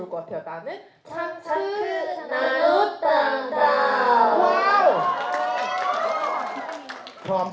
ว้าว